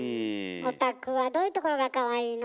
お宅はどういうところがかわいいの？